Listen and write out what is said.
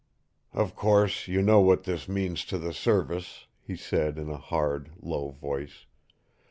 "Of course you know what this means to the Service," he said in a hard, low voice.